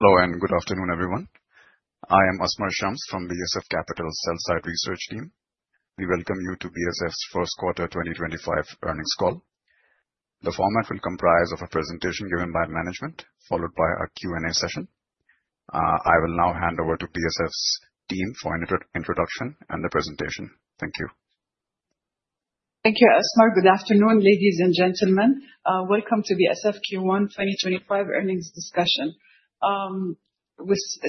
Hello and good afternoon, everyone. I am Asmar Shams from the BSF Capital Sell-Side Research Team. We welcome you to BSF's first quarter 2025 earnings call. The format will comprise of a presentation given by management, followed by a Q&A session. I will now hand over to BSF's team for an introduction and the presentation. Thank you. Thank you, Asmar. Good afternoon, ladies and gentlemen. Welcome to BSF Q1 2025 earnings discussion.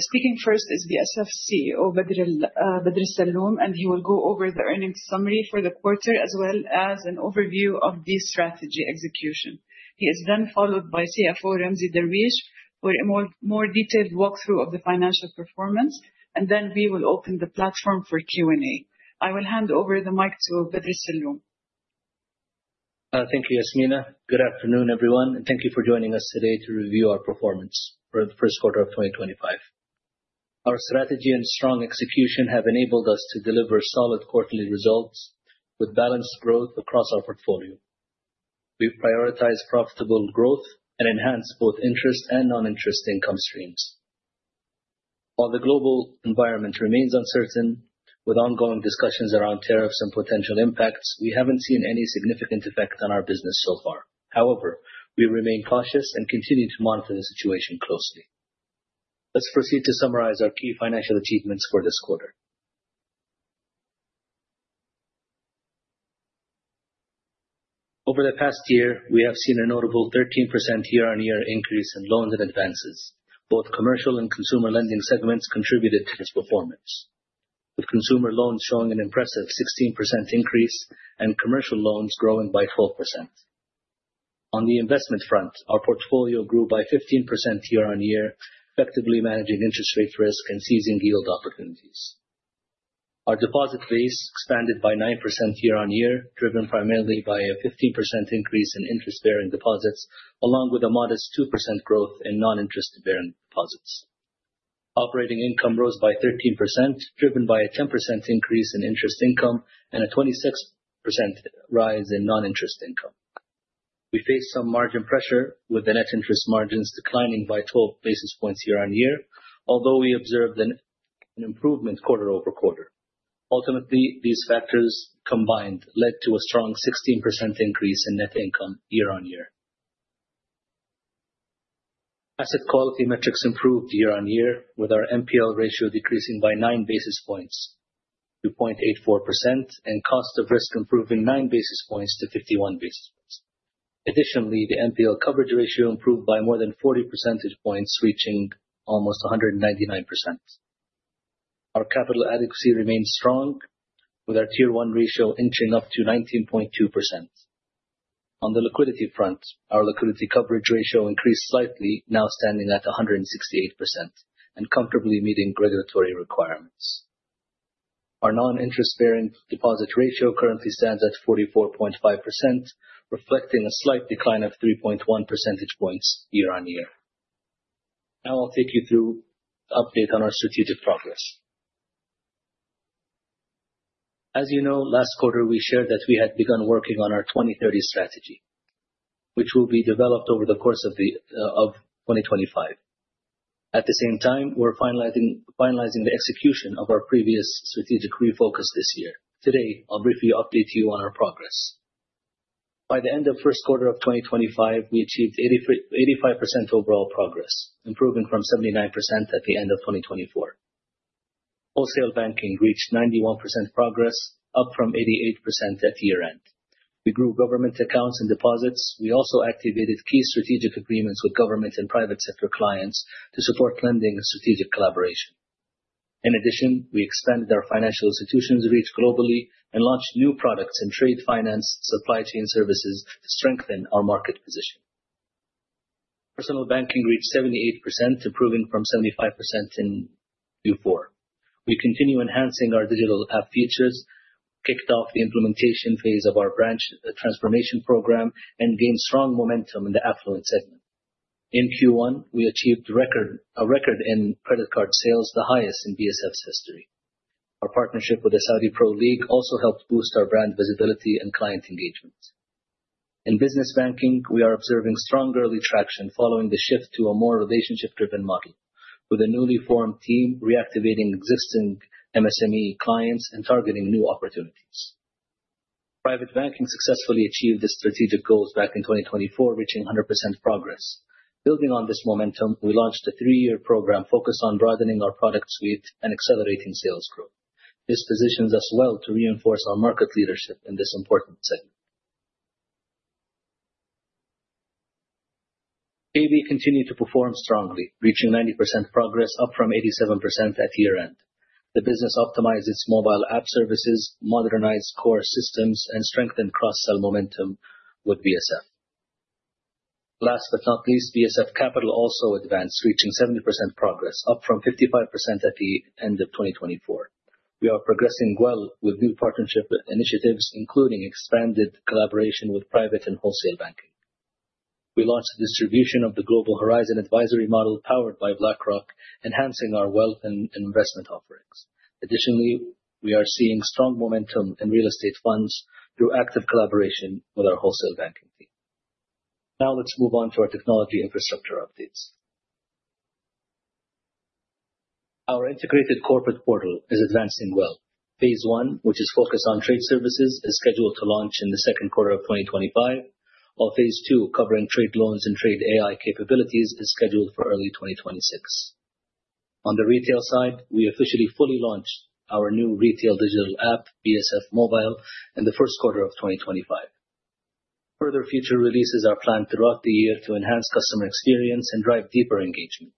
Speaking first is BSF CEO, Bader Al-Saloom. He will go over the earnings summary for the quarter as well as an overview of the strategy execution. He is then followed by CFO Ramzi Darwish, for a more detailed walkthrough of the financial performance. We will open the platform for Q&A. I will hand over the mic to Bader Al-Saloom. Thank you, Yasmina. Good afternoon, everyone. Thank you for joining us today to review our performance for the first quarter of 2025. Our strategy and strong execution have enabled us to deliver solid quarterly results with balanced growth across our portfolio. We prioritize profitable growth and enhance both interest and non-interest income streams. While the global environment remains uncertain with ongoing discussions around tariffs and potential impacts, we haven't seen any significant effect on our business so far. However, we remain cautious and continue to monitor the situation closely. Let's proceed to summarize our key financial achievements for this quarter. Over the past year, we have seen a notable 13% year-on-year increase in loans and advances. Both commercial and consumer lending segments contributed to this performance, with consumer loans showing an impressive 16% increase and commercial loans growing by 12%. On the investment front, our portfolio grew by 15% year-on-year, effectively managing interest rate risk and seizing yield opportunities. Our deposit base expanded by nine percent year-on-year, driven primarily by a 15% increase in interest-bearing deposits, along with a modest two percent growth in non-interest-bearing deposits. Operating income rose by 13%, driven by a 10% increase in interest income and a 26% rise in non-interest income. We faced some margin pressure with the net interest margins declining by 12 basis points year-on-year. Although we observed an improvement quarter-over-quarter. Ultimately, these factors combined led to a strong 16% increase in net income year-on-year. Asset quality metrics improved year-on-year, with our NPL ratio decreasing by nine basis points to 0.84%, and cost of risk improving nine basis points to 51 basis points. Additionally, the NPL coverage ratio improved by more than 40 percentage points, reaching almost 199%. Our capital adequacy remains strong, with our Tier 1 ratio inching up to 19.2%. On the liquidity front, our liquidity coverage ratio increased slightly, now standing at 168%, and comfortably meeting regulatory requirements. Our non-interest-bearing deposit ratio currently stands at 44.5%, reflecting a slight decline of 3.1 percentage points year-on-year. I'll take you through the update on our strategic progress. As you know, last quarter we shared that we had begun working on our 2030 strategy, which will be developed over the course of 2025. At the same time, we're finalizing the execution of our previous strategic refocus this year. I'll briefly update you on our progress. By the end of first quarter of 2025, we achieved 85% overall progress, improving from 79% at the end of 2024. Wholesale banking reached 91% progress, up from 88% at year-end. We grew government accounts and deposits. We also activated key strategic agreements with government and private sector clients to support lending and strategic collaboration. We expanded our financial institutions reach globally and launched new products in trade finance supply chain services to strengthen our market position. Personal banking reached 78%, improving from 75% in Q4. We continue enhancing our digital app features, kicked off the implementation phase of our branch transformation program, and gained strong momentum in the affluent segment. In Q1, we achieved a record in credit card sales, the highest in BSF's history. Our partnership with the Saudi Pro League also helped boost our brand visibility and client engagement. In business banking, we are observing strong early traction following the shift to a more relationship-driven model with a newly formed team reactivating existing MSME clients and targeting new opportunities. Private banking successfully achieved its strategic goals back in 2024, reaching 100% progress. Building on this momentum, we launched a three-year program focused on broadening our product suite and accelerating sales growth. This positions us well to reinforce our market leadership in this important segment. AB continued to perform strongly, reaching 90% progress, up from 87% at year-end. The business optimized its mobile app services, modernized core systems, and strengthened cross-sell momentum with BSF. BSF Capital also advanced, reaching 70% progress, up from 55% at the end of 2024. We are progressing well with new partnership initiatives, including expanded collaboration with private and wholesale banking. We launched the distribution of the Global Horizon advisory model powered by BlackRock, enhancing our wealth and investment offerings. Additionally, we are seeing strong momentum in real estate funds through active collaboration with our wholesale banking. Let's move on to our technology infrastructure updates. Our integrated corporate portal is advancing well. Phase 1, which is focused on trade services, is scheduled to launch in the second quarter of 2025, while phase 2, covering trade loans and trade AI capabilities, is scheduled for early 2026. On the retail side, we officially fully launched our new retail digital app, BSF Mobile, in the first quarter of 2025. Further future releases are planned throughout the year to enhance customer experience and drive deeper engagement.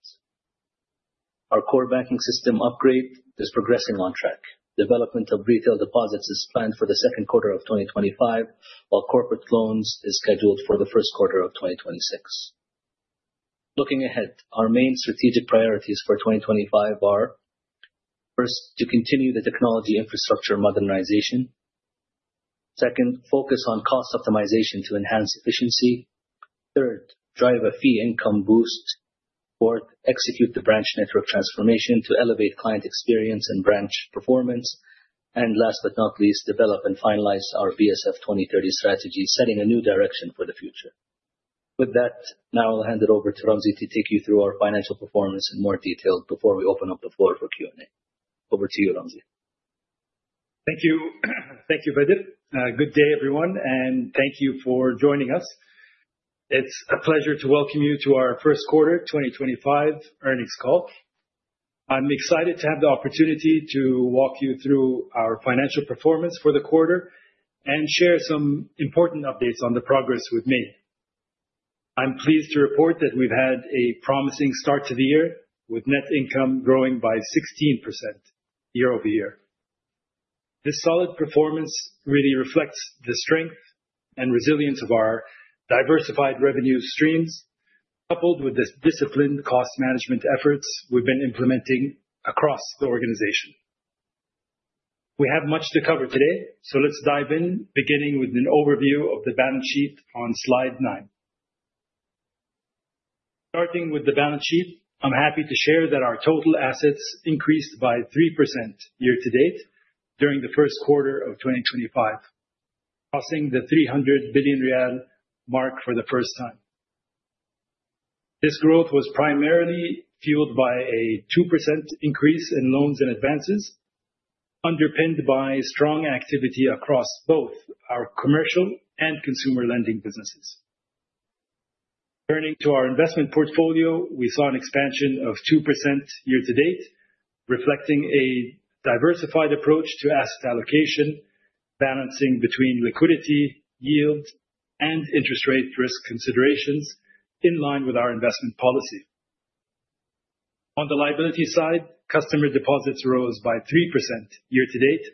Our core banking system upgrade is progressing on track. Development of retail deposits is planned for the second quarter of 2025, while corporate loans are scheduled for the first quarter of 2026. Looking ahead, our main strategic priorities for 2025 are, first, to continue the technology infrastructure modernization. Second, focus on cost optimization to enhance efficiency. Third, drive a fee income boost. Fourth, execute the branch network transformation to elevate client experience and branch performance. Last but not least, develop and finalize our BSF 2030 strategy, setting a new direction for the future. With that, now I'll hand it over to Ramzy to take you through our financial performance in more detail before we open up the floor for Q&A. Over to you, Ramzy. Thank you, Vadim. Good day, everyone, and thank you for joining us. It's a pleasure to welcome you to our first quarter 2025 earnings call. I'm excited to have the opportunity to walk you through our financial performance for the quarter and share some important updates on the progress we've made. I'm pleased to report that we've had a promising start to the year, with net income growing by 16% year-over-year. This solid performance really reflects the strength and resilience of our diversified revenue streams, coupled with the disciplined cost management efforts we've been implementing across the organization. We have much to cover today, so let's dive in, beginning with an overview of the balance sheet on slide nine. Starting with the balance sheet, I'm happy to share that our total assets increased by 3% year-to-date during the first quarter of 2025, crossing the 300 billion riyal mark for the first time. This growth was primarily fueled by a 2% increase in loans and advances, underpinned by strong activity across both our commercial and consumer lending businesses. Turning to our investment portfolio, we saw an expansion of 2% year-to-date, reflecting a diversified approach to asset allocation, balancing between liquidity, yield, and interest rate risk considerations in line with our investment policy. On the liability side, customer deposits rose by 3% year-to-date,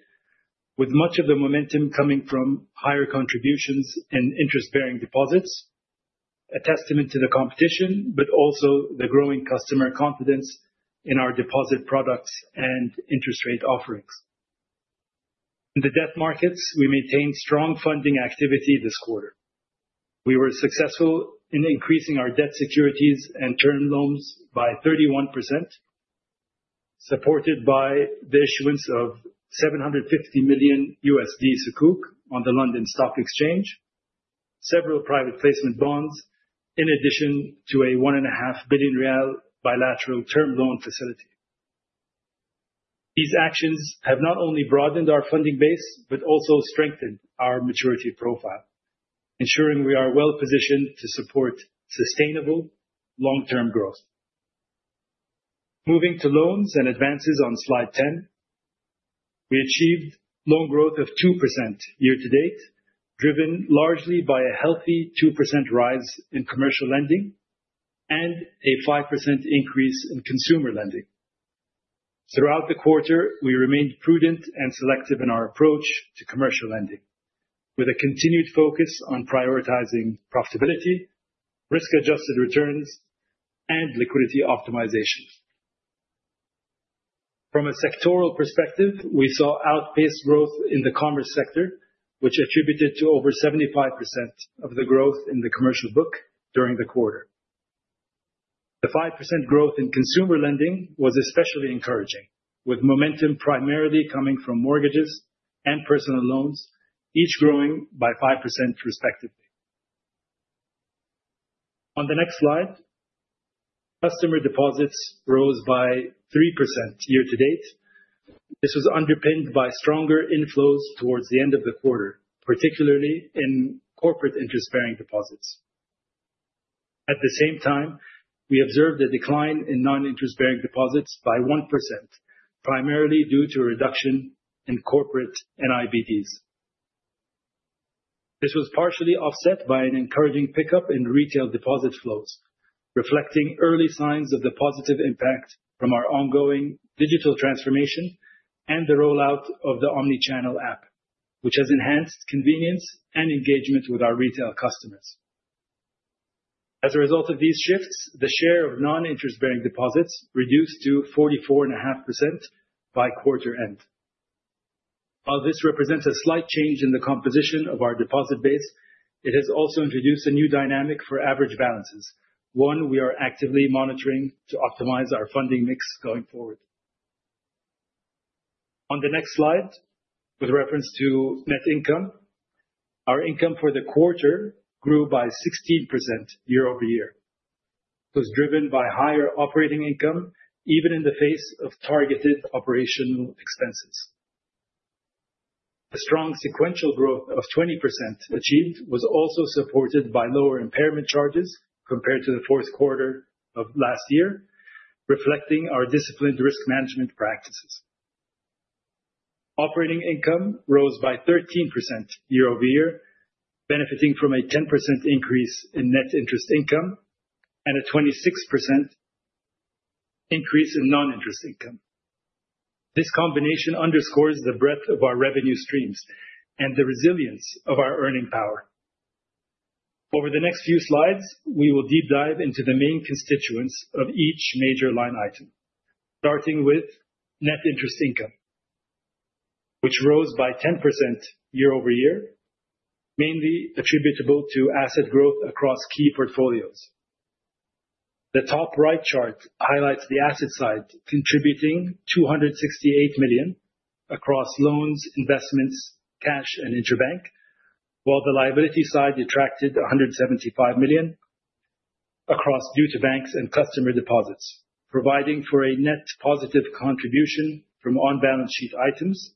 with much of the momentum coming from higher contributions in interest-bearing deposits, a testament to the competition, but also the growing customer confidence in our deposit products and interest rate offerings. In the debt markets, we maintained strong funding activity this quarter. We were successful in increasing our debt securities and term loans by 31%, supported by the issuance of $750 million Sukuk on the London Stock Exchange, several private placement bonds, in addition to a SAR 1.5 billion bilateral term loan facility. These actions have not only broadened our funding base, but also strengthened our maturity profile, ensuring we are well positioned to support sustainable long-term growth. Moving to loans and advances on slide 10. We achieved loan growth of 2% year-to-date, driven largely by a healthy 2% rise in commercial lending and a 5% increase in consumer lending. Throughout the quarter, we remained prudent and selective in our approach to commercial lending, with a continued focus on prioritizing profitability, risk-adjusted returns, and liquidity optimization. From a sectoral perspective, we saw outpaced growth in the commerce sector, which attributed to over 75% of the growth in the commercial book during the quarter. The 5% growth in consumer lending was especially encouraging, with momentum primarily coming from mortgages and personal loans, each growing by 5% respectively. On the next slide, customer deposits rose by 3% year-to-date. This was underpinned by stronger inflows towards the end of the quarter, particularly in corporate interest-bearing deposits. At the same time, we observed a decline in non-interest-bearing deposits by 1%, primarily due to a reduction in corporate NIBDs. This was partially offset by an encouraging pickup in retail deposit flows, reflecting early signs of the positive impact from our ongoing digital transformation and the rollout of the omni-channel app, which has enhanced convenience and engagement with our retail customers. As a result of these shifts, the share of non-interest-bearing deposits reduced to 44.5% by quarter-end. While this represents a slight change in the composition of our deposit base, it has also introduced a new dynamic for average balances, one we are actively monitoring to optimize our funding mix going forward. On the next slide, with reference to net income, our income for the quarter grew by 16% year-over-year. It was driven by higher operating income, even in the face of targeted operational expenses. The strong sequential growth of 20% achieved was also supported by lower impairment charges compared to the fourth quarter of last year, reflecting our disciplined risk management practices. Operating income rose by 13% year-over-year, benefiting from a 10% increase in net interest income and a 26% increase in non-interest income. This combination underscores the breadth of our revenue streams and the resilience of our earning power. Over the next few slides, we will deep-dive into the main constituents of each major line item. Starting with net interest income, which rose by 10% year-over-year, mainly attributable to asset growth across key portfolios. The top right chart highlights the asset side contributing 268 million across loans, investments, cash, and interbank. While the liability side attracted 175 million across due to banks and customer deposits, providing for a net positive contribution from on-balance sheet items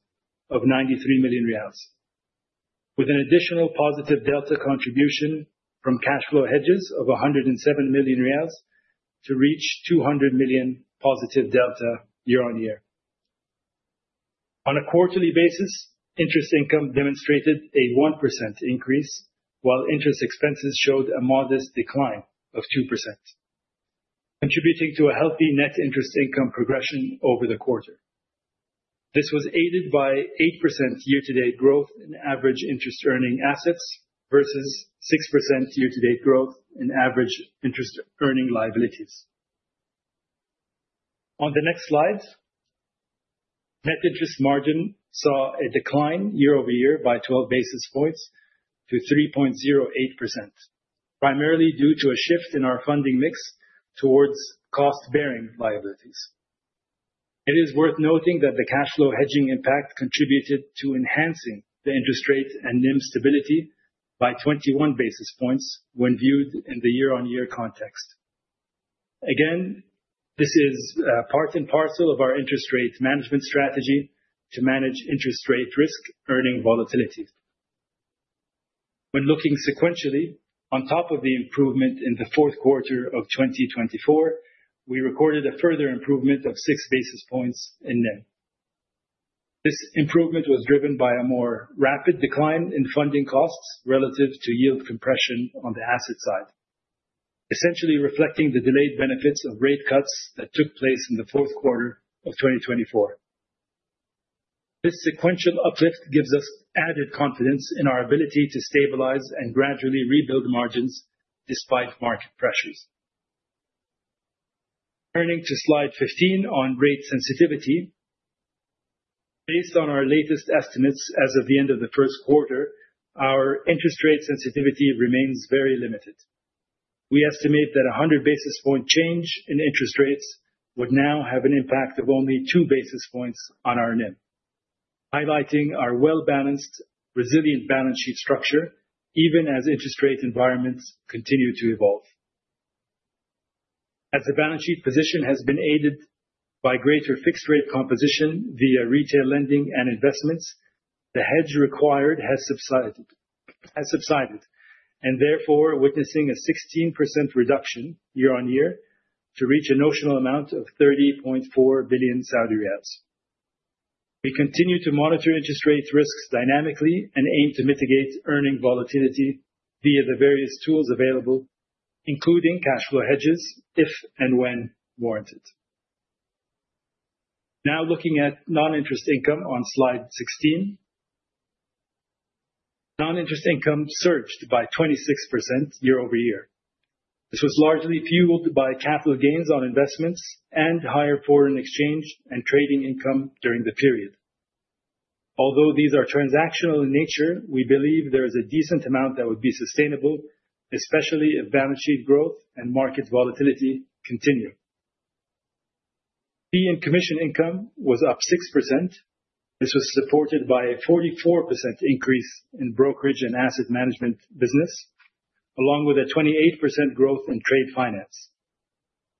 of 93 million riyals. With an additional positive delta contribution from cash flow hedges of 107 million riyals to reach 200 million positive delta year-on-year. On a quarterly basis, interest income demonstrated a 1% increase, while interest expenses showed a modest decline of 2%, contributing to a healthy net interest income progression over the quarter. This was aided by 8% year-to-date growth in average interest earning assets versus 6% year-to-date growth in average interest earning liabilities. On the next slide, net interest margin saw a decline year-over-year by 12 basis points to 3.08%, primarily due to a shift in our funding mix towards cost-bearing liabilities. It is worth noting that the cash flow hedging impact contributed to enhancing the interest rate and NIM stability by 21 basis points when viewed in the year-on-year context. Again, this is part and parcel of our interest rate management strategy to manage interest rate risk earning volatility. When looking sequentially, on top of the improvement in the fourth quarter of 2024, we recorded a further improvement of six basis points in NIM. This improvement was driven by a more rapid decline in funding costs relative to yield compression on the asset side, essentially reflecting the delayed benefits of rate cuts that took place in the fourth quarter of 2024. This sequential uplift gives us added confidence in our ability to stabilize and gradually rebuild margins despite market pressures. Turning to slide 15 on rate sensitivity. Based on our latest estimates as of the end of the first quarter, our interest rate sensitivity remains very limited. We estimate that a 100 basis point change in interest rates would now have an impact of only two basis points on our NIM, highlighting our well-balanced, resilient balance sheet structure, even as interest rate environments continue to evolve. The balance sheet position has been aided by greater fixed rate composition via retail lending and investments, the hedge required has subsided, therefore, witnessing a 16% reduction year-over-year to reach a notional amount of 30.4 billion Saudi riyals. We continue to monitor interest rate risks dynamically and aim to mitigate earning volatility via the various tools available, including cash flow hedges, if and when warranted. Looking at non-interest income on slide 16. Non-interest income surged by 26% year-over-year. This was largely fueled by capital gains on investments and higher foreign exchange and trading income during the period. Although these are transactional in nature, we believe there is a decent amount that would be sustainable, especially if balance sheet growth and market volatility continue. Fee and commission income was up 6%. This was supported by a 44% increase in brokerage and asset management business, along with a 28% growth in trade finance.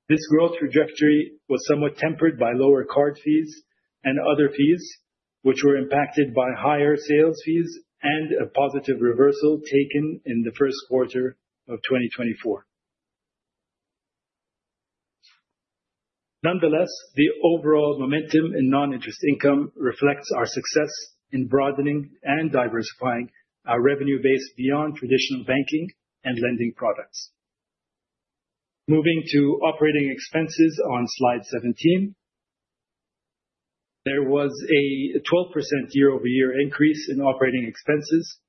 This growth trajectory was somewhat tempered by lower card fees and other fees, which were impacted by higher sales fees and a positive reversal taken in the first quarter of 2024. Nonetheless, the overall momentum in non-interest income reflects our success in broadening and diversifying our revenue base beyond traditional banking and lending products. Moving to operating expenses on slide 17. There was a 12% year-over-year increase in operating expenses,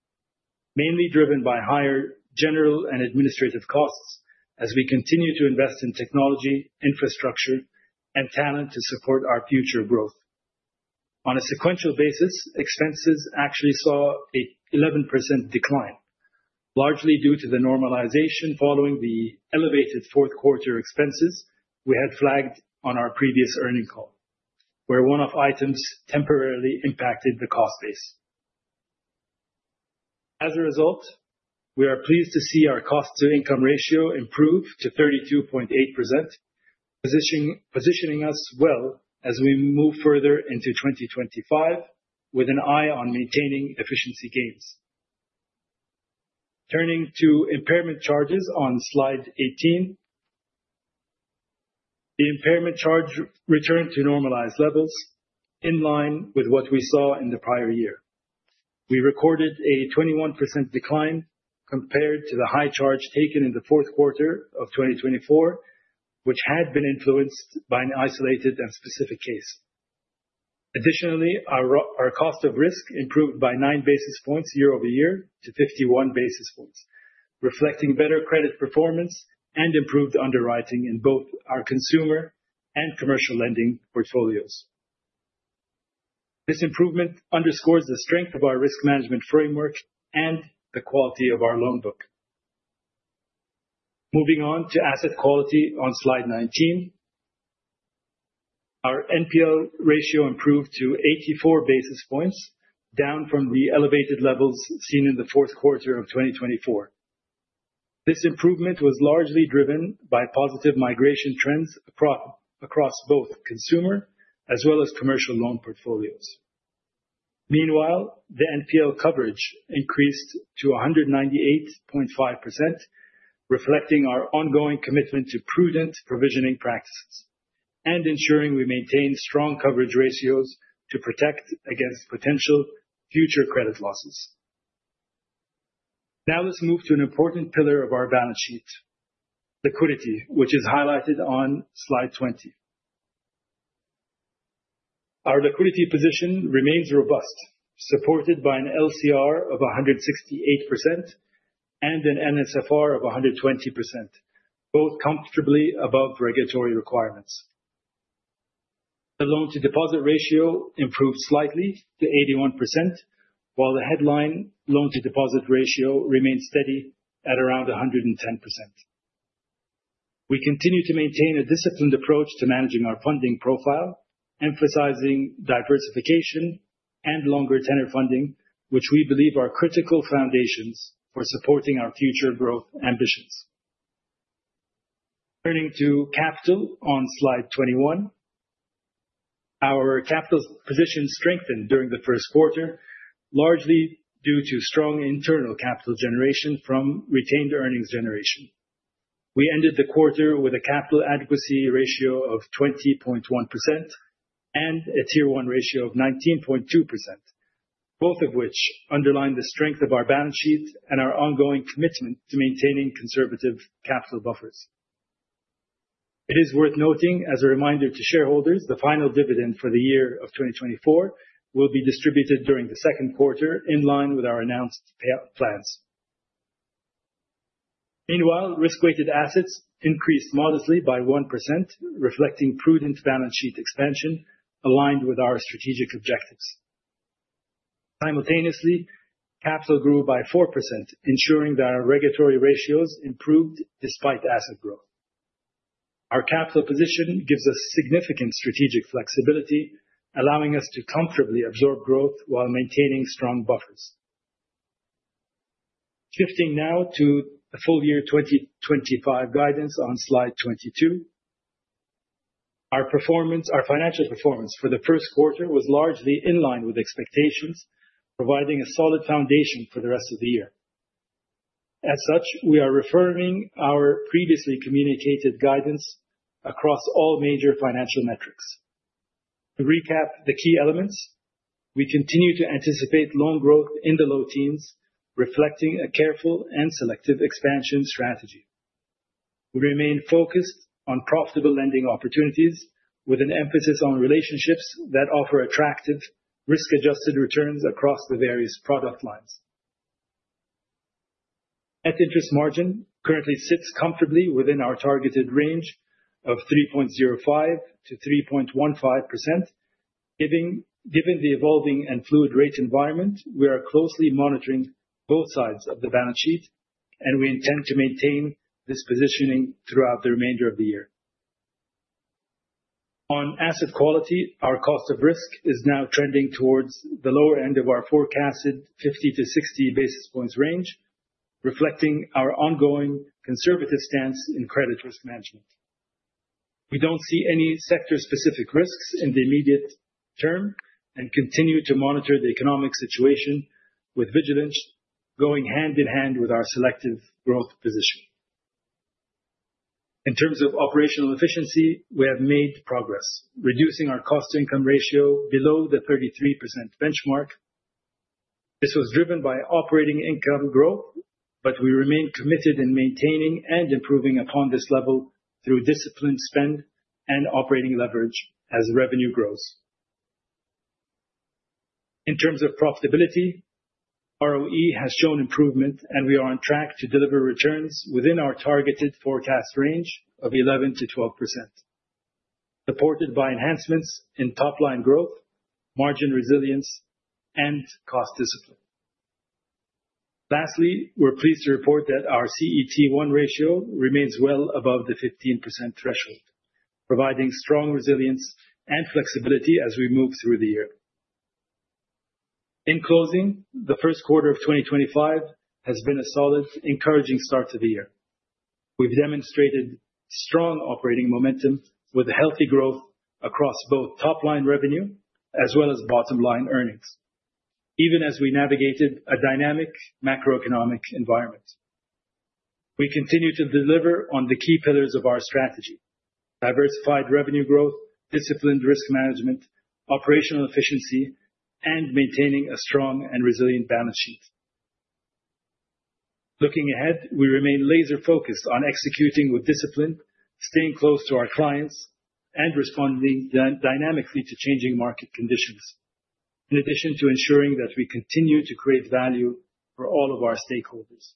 mainly driven by higher general and administrative costs as we continue to invest in technology, infrastructure, and talent to support our future growth. On a sequential basis, expenses actually saw an 11% decline. Largely due to the normalization following the elevated fourth quarter expenses we had flagged on our previous earning call, where one-off items temporarily impacted the cost base. We are pleased to see our cost to income ratio improve to 32.8%, positioning us well as we move further into 2025 with an eye on maintaining efficiency gains. Turning to impairment charges on slide 18. The impairment charge returned to normalized levels in line with what we saw in the prior year. We recorded a 21% decline compared to the high charge taken in the fourth quarter of 2024, which had been influenced by an isolated and specific case. Additionally, our cost of risk improved by nine basis points year-over-year to 51 basis points, reflecting better credit performance and improved underwriting in both our consumer and commercial lending portfolios. This improvement underscores the strength of our risk management framework and the quality of our loan book. Moving on to asset quality on slide 19. Our NPL ratio improved to 84 basis points, down from the elevated levels seen in the fourth quarter of 2024. This improvement was largely driven by positive migration trends across both consumer as well as commercial loan portfolios. Meanwhile, the NPL coverage increased to 198.5%, reflecting our ongoing commitment to prudent provisioning practices and ensuring we maintain strong coverage ratios to protect against potential future credit losses. Let's move to an important pillar of our balance sheet, liquidity, which is highlighted on Slide 20. Our liquidity position remains robust, supported by an LCR of 168% and an NSFR of 120%, both comfortably above regulatory requirements. The loan-to-deposit ratio improved slightly to 81%, while the headline loan-to-deposit ratio remained steady at around 110%. We continue to maintain a disciplined approach to managing our funding profile, emphasizing diversification and longer tenure funding, which we believe are critical foundations for supporting our future growth ambitions. Turning to capital on slide 21. Our capital position strengthened during the first quarter, largely due to strong internal capital generation from retained earnings generation. We ended the quarter with a capital adequacy ratio of 20.1% and a Tier 1 ratio of 19.2%, both of which underline the strength of our balance sheet and our ongoing commitment to maintaining conservative capital buffers. It is worth noting, as a reminder to shareholders, the final dividend for the year of 2024 will be distributed during the second quarter in line with our announced payout plans. Meanwhile, risk-weighted assets increased modestly by 1%, reflecting prudent balance sheet expansion aligned with our strategic objectives. Simultaneously, capital grew by 4%, ensuring that our regulatory ratios improved despite asset growth. Our capital position gives us significant strategic flexibility, allowing us to comfortably absorb growth while maintaining strong buffers. Shifting now to the full year 2025 guidance on slide 22. Our financial performance for the first quarter was largely in line with expectations, providing a solid foundation for the rest of the year. We are reaffirming our previously communicated guidance across all major financial metrics. To recap the key elements, we continue to anticipate loan growth in the low teens, reflecting a careful and selective expansion strategy. We remain focused on profitable lending opportunities with an emphasis on relationships that offer attractive risk-adjusted returns across the various product lines. Net interest margin currently sits comfortably within our targeted range of 3.05%-3.15%. Given the evolving and fluid rate environment, we are closely monitoring both sides of the balance sheet. We intend to maintain this positioning throughout the remainder of the year. On asset quality, our cost of risk is now trending towards the lower end of our forecasted 50-60 basis points range, reflecting our ongoing conservative stance in credit risk management. We don't see any sector-specific risks in the immediate term and continue to monitor the economic situation with vigilance going hand-in-hand with our selective growth position. In terms of operational efficiency, we have made progress reducing our cost-to-income ratio below the 33% benchmark. This was driven by operating income growth. We remain committed in maintaining and improving upon this level through disciplined spend and operating leverage as revenue grows. In terms of profitability, ROE has shown improvement, and we are on track to deliver returns within our targeted forecast range of 11%-12%. Supported by enhancements in top-line growth, margin resilience, and cost discipline. Lastly, we're pleased to report that our CET1 ratio remains well above the 15% threshold, providing strong resilience and flexibility as we move through the year. In closing, the first quarter of 2025 has been a solid, encouraging start to the year. We've demonstrated strong operating momentum with healthy growth across both top-line revenue as well as bottom-line earnings, even as we navigated a dynamic macroeconomic environment. We continue to deliver on the key pillars of our strategy: diversified revenue growth, disciplined risk management, operational efficiency, and maintaining a strong and resilient balance sheet. Looking ahead, we remain laser-focused on executing with discipline, staying close to our clients, and responding dynamically to changing market conditions, in addition to ensuring that we continue to create value for all of our stakeholders.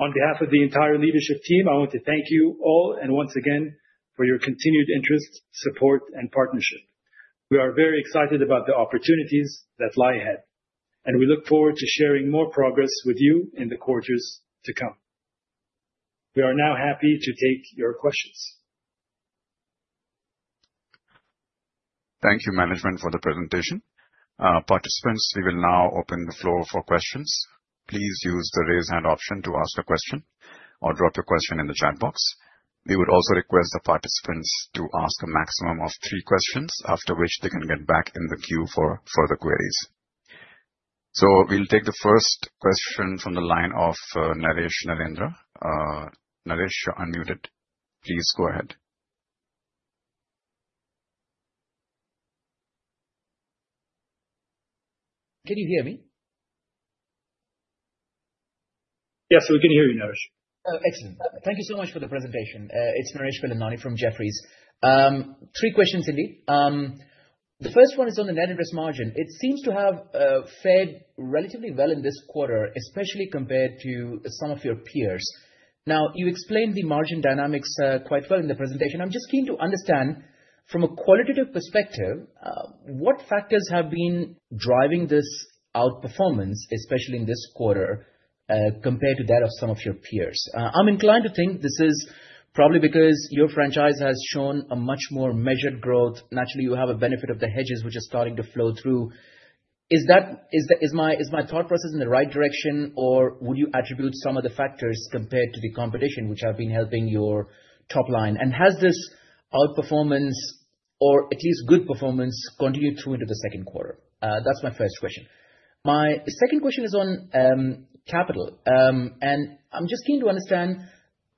On behalf of the entire leadership team, I want to thank you all and once again for your continued interest, support, and partnership. We are very excited about the opportunities that lie ahead, and we look forward to sharing more progress with you in the quarters to come. We are now happy to take your questions. Thank you, management, for the presentation. Participants, we will now open the floor for questions. Please use the raise hand option to ask a question or drop your question in the chat box. We would also request the participants to ask a maximum of three questions, after which they can get back in the queue for further queries. We'll take the first question from the line of Naresh Narendra. Naresh, you're unmuted. Please go ahead. Can you hear me? Yes, we can hear you, Naresh. Excellent. Thank you so much for the presentation. It's Naresh Melwani from Jefferies. Three questions indeed. The first one is on the net interest margin. It seems to have fared relatively well in this quarter, especially compared to some of your peers. You explained the margin dynamics quite well in the presentation. I'm just keen to understand from a qualitative perspective, what factors have been driving this outperformance, especially in this quarter, compared to that of some of your peers? I'm inclined to think this is probably because your franchise has shown a much more measured growth. Naturally, you have a benefit of the hedges which are starting to flow through. Is my thought process in the right direction, or would you attribute some of the factors compared to the competition which have been helping your top line? Has this outperformance, or at least good performance, continued through into the second quarter? That's my first question. My second question is on capital. I'm just keen to understand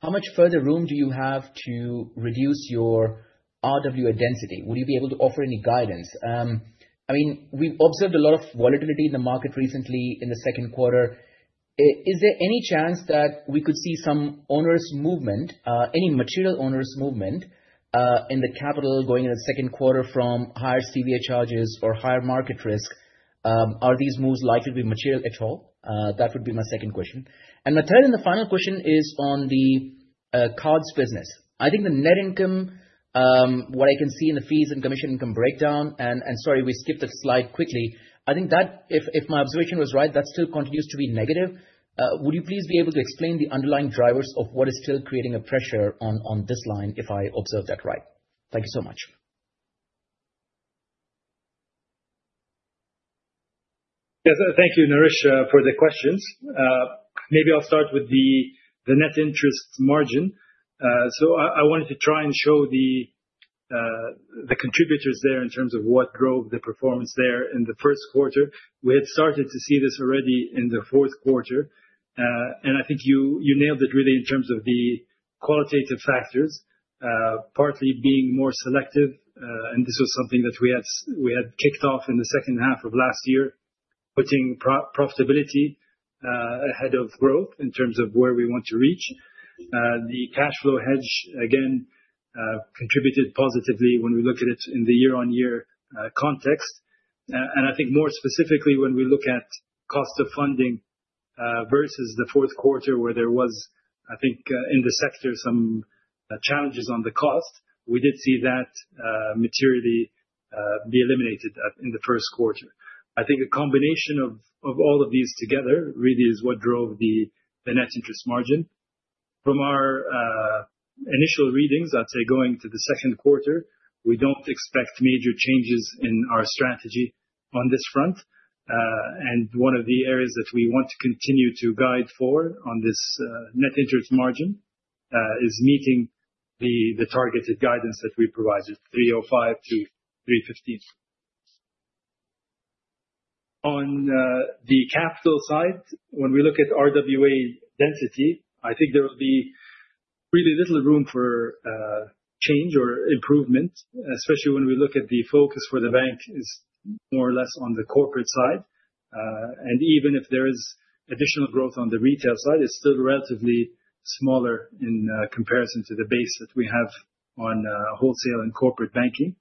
how much further room do you have to reduce your RWA density? Will you be able to offer any guidance? We've observed a lot of volatility in the market recently in the second quarter. Is there any chance that we could see some onerous movement, any material onerous movement, in the capital going in the second quarter from higher CVA charges or higher market risk? Are these moves likely to be material at all? That would be my second question. The third and the final question is on the cards business. I think the net income, what I can see in the fees and commission income breakdown, and sorry, we skipped a slide quickly. I think that if my observation was right, that still continues to be negative. Would you please be able to explain the underlying drivers of what is still creating a pressure on this line if I observe that right? Thank you so much. Yes. Thank you, Naresh, for the questions. I'll start with the net interest margin. I wanted to try and show the contributors there in terms of what drove the performance there in the first quarter. We had started to see this already in the fourth quarter. I think you nailed it really in terms of the qualitative factors, partly being more selective. This was something that we had kicked off in the second half of last year, putting profitability ahead of growth in terms of where we want to reach. The cash flow hedge, again, contributed positively when we look at it in the year-on-year context. I think more specifically when we look at cost of funding versus the fourth quarter where there was, I think, in the sector some challenges on the cost. We did see that materially be eliminated in the first quarter. I think a combination of all of these together really is what drove the net interest margin. From our initial readings, I'd say going to the second quarter, we don't expect major changes in our strategy on this front. One of the areas that we want to continue to guide forward on this net interest margin, is meeting the targeted guidance that we provided, 305 to 315. On the capital side, when we look at RWA density, I think there will be really little room for change or improvement, especially when we look at the focus for the bank is more or less on the corporate side. Even if there is additional growth on the retail side, it's still relatively smaller in comparison to the base that we have on wholesale and corporate banking.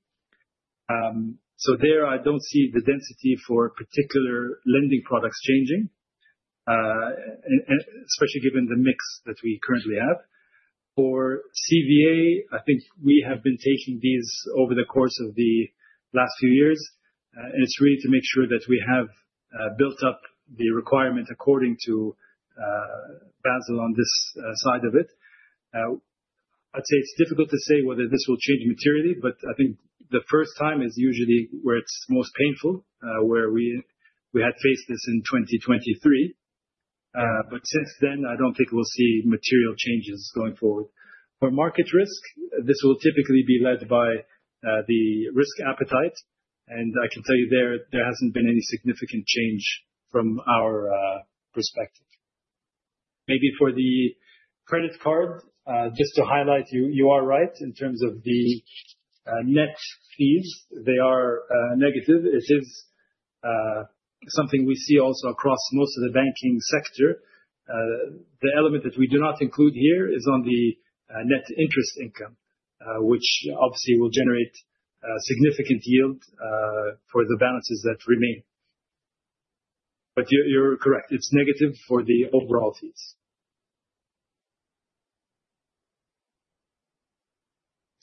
There, I don't see the density for particular lending products changing, especially given the mix that we currently have. For CVA, I think we have been taking these over the course of the last few years, it's really to make sure that we have built up the requirement according to Basel on this side of it. I'd say it's difficult to say whether this will change materially, but I think the first time is usually where it's most painful, where we had faced this in 2023. Since then, I don't think we'll see material changes going forward. For market risk, this will typically be led by the risk appetite, I can tell you there hasn't been any significant change from our perspective. Maybe for the credit card, just to highlight, you are right in terms of the net fees, they are negative. It is something we see also across most of the banking sector. The element that we do not include here is on the net interest income, which obviously will generate significant yield for the balances that remain. You're correct, it's negative for the overall fees.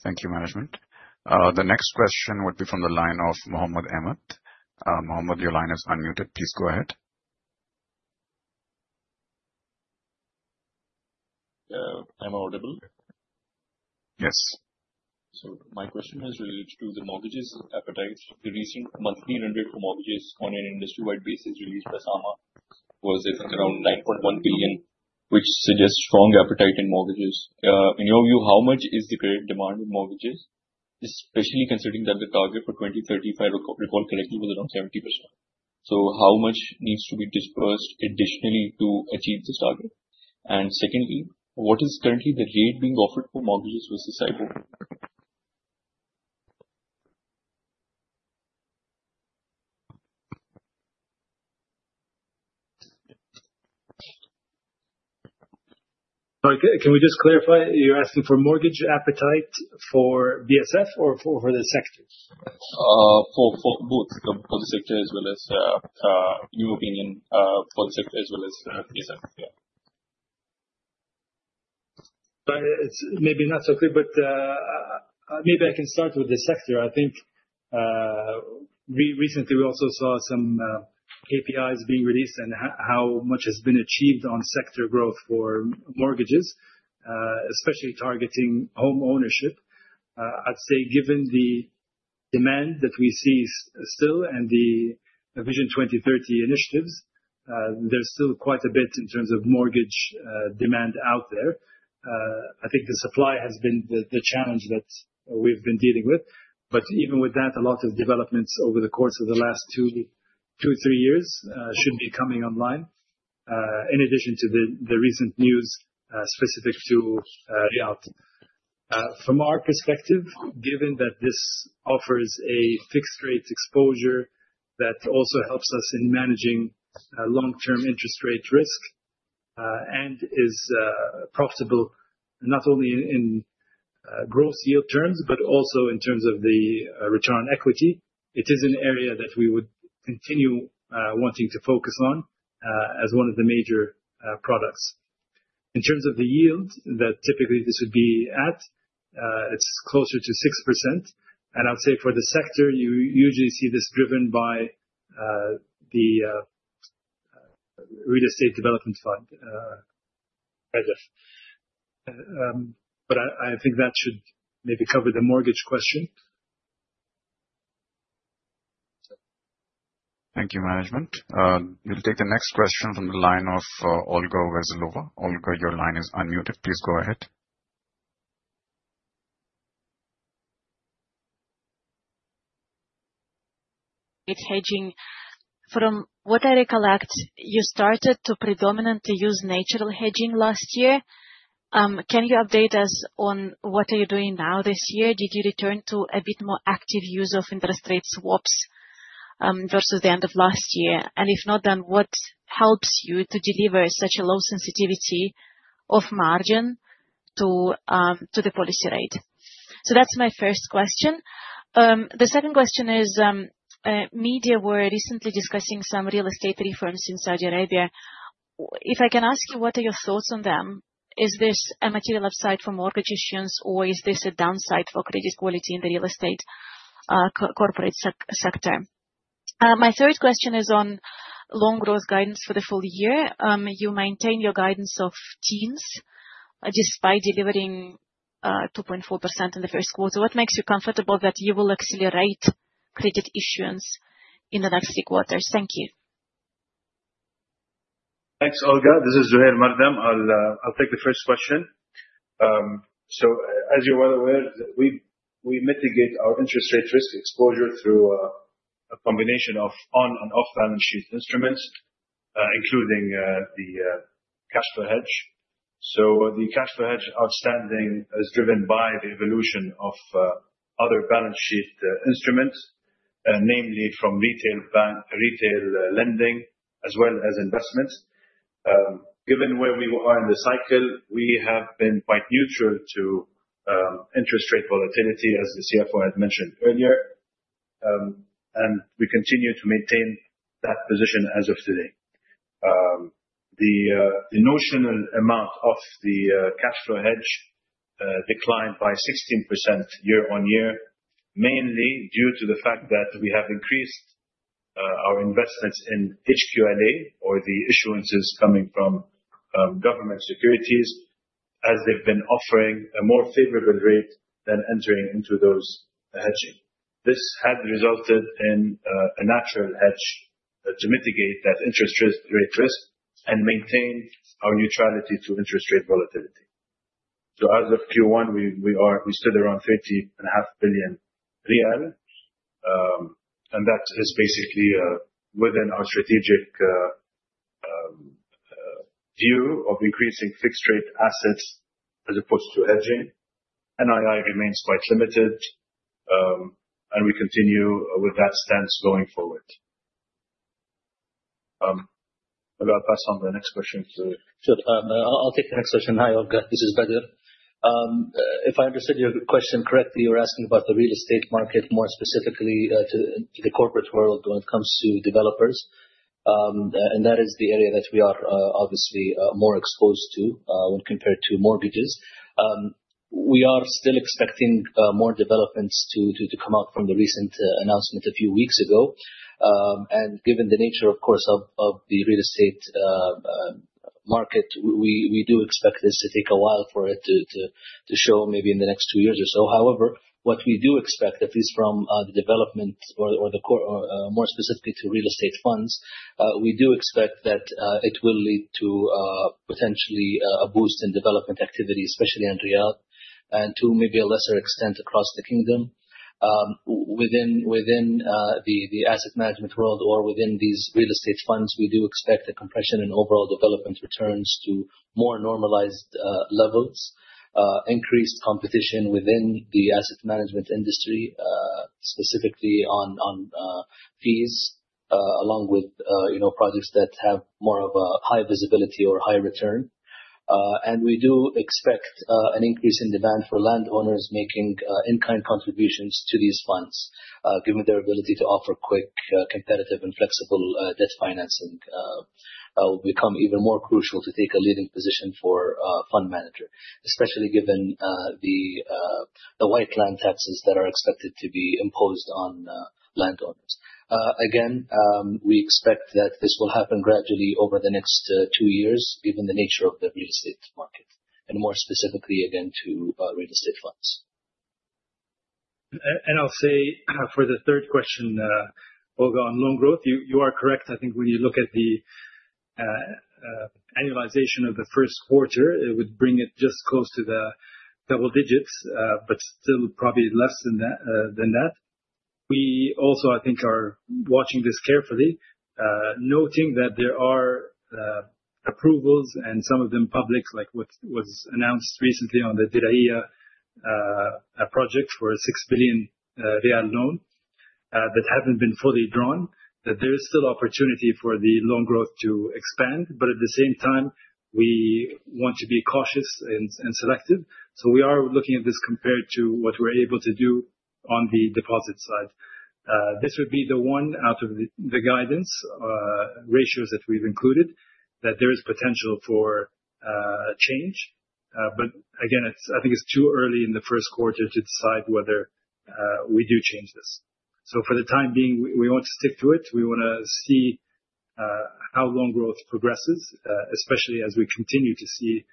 Thank you, management. The next question would be from the line of Mohammed Eemet. Mohammed, your line is unmuted. Please go ahead. Am I audible? Yes. My question is related to the mortgages appetite. The recent monthly data for mortgages on an industry-wide basis released by SAMA was, I think, around 9.1 billion, which suggests strong appetite in mortgages. In your view, how much is the current demand in mortgages, especially considering that the target for 2035, if I recall correctly, was around 70%. How much needs to be disbursed additionally to achieve this target? Secondly, what is currently the rate being offered for mortgages versus? Can we just clarify? You're asking for mortgage appetite for BSF or for the sector? For both. For the sector as well as your opinion for the sector as well as BSF, yeah. It's maybe not so clear. Maybe I can start with the sector. I think recently we also saw some KPIs being released and how much has been achieved on sector growth for mortgages, especially targeting home ownership. I'd say given the demand that we see still and the Vision 2030 initiatives, there's still quite a bit in terms of mortgage demand out there. I think the supply has been the challenge that we've been dealing with. Even with that, a lot of developments over the course of the last two, three years should be coming online, in addition to the recent news specific to Riyadh. From our perspective, given that this offers a fixed rate exposure that also helps us in managing long-term interest rate risk and is profitable not only in gross yield terms but also in terms of the return equity, it is an area that we would continue wanting to focus on as one of the major products. In terms of the yield that typically this would be at, it's closer to 6%. I'd say for the sector, you usually see this driven by the Real Estate Development Fund. I think that should maybe cover the mortgage question. Thank you, management. We'll take the next question from the line of Olga Reszlavik. Olga, your line is unmuted. Please go ahead. With hedging. From what I recollect, you started to predominantly use natural hedging last year. Can you update us on what are you doing now this year? Did you return to a bit more active use of interest rate swaps, versus the end of last year? If not, what helps you to deliver such a low sensitivity of margin to the policy rate? That's my first question. The second question is, media were recently discussing some real estate reforms in Saudi Arabia. If I can ask you, what are your thoughts on them? Is this a material upside for mortgages, or is this a downside for credit quality in the real estate corporate sector? My third question is on loan growth guidance for the full year. You maintain your guidance of teens despite delivering 2.4% in the first quarter. What makes you comfortable that you will accelerate credit issuance in the next few quarters? Thank you. Thanks, Olga. This is Zuhair Mardam. I'll take the first question. As you're well aware, we mitigate our interest rate risk exposure through a combination of on and off-balance sheet instruments, including the cash flow hedge. The cash flow hedge outstanding is driven by the evolution of other balance sheet instruments, namely from retail lending as well as investments. Given where we are in the cycle, we have been quite neutral to interest rate volatility, as the CFO had mentioned earlier, and we continue to maintain that position as of today. The notional amount of the cash flow hedge declined by 16% year-on-year, mainly due to the fact that we have increased our investments in HQLA or the issuances coming from government securities, as they've been offering a more favorable rate than entering into those hedging. This had resulted in a natural hedge to mitigate that interest rate risk and maintain our neutrality to interest rate volatility. As of Q1, we sit around SAR 30.5 billion, and that is basically within our strategic view of increasing fixed rate assets as opposed to hedging. NII remains quite limited, and we continue with that stance going forward. I'll pass on the next question to- Sure. I'll take the next question. Hi, Olga. This is Bader. If I understood your question correctly, you were asking about the real estate market, more specifically to the corporate world when it comes to developers. That is the area that we are obviously more exposed to when compared to mortgages. We are still expecting more developments to come out from the recent announcement a few weeks ago. Given the nature, of course, of the real estate market, we do expect this to take a while for it to show maybe in the next two years or so. However, what we do expect, at least from the development or more specifically to real estate funds, we do expect that it will lead to potentially a boost in development activity, especially in Riyadh and to maybe a lesser extent across the kingdom. Within the asset management world or within these real estate funds, we do expect a compression in overall development returns to more normalized levels, increased competition within the asset management industry, specifically on fees along with projects that have more of a high visibility or high return. We do expect an increase in demand for landowners making in-kind contributions to these funds, given their ability to offer quick, competitive, and flexible debt financing will become even more crucial to take a leading position for a fund manager, especially given the white land taxes that are expected to be imposed on landowners. Again, we expect that this will happen gradually over the next two years, given the nature of the real estate market and more specifically again to real estate funds. I'll say for the third question, Olga, on loan growth, you are correct. I think when you look at the annualization of the first quarter, it would bring it just close to the double digits, but still probably less than that. We also, I think, are watching this carefully, noting that there are approvals and some of them public, like what was announced recently on the Diriyah project for a SAR 6 billion loan that hasn't been fully drawn, that there is still opportunity for the loan growth to expand, but at the same time, we want to be cautious and selective. We are looking at this compared to what we're able to do on the deposit side. This would be the one out of the guidance ratios that we've included that there is potential for a change. Again, I think it's too early in the first quarter to decide whether we do change this. For the time being, we want to stick to it. We want to see how loan growth progresses, especially as we continue to see